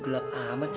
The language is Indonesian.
gelap amat sih